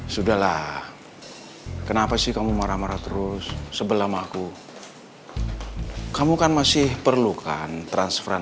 sudahlah kenapa sih kamu marah marah terus sebelum aku kamu kan masih perlukan transferan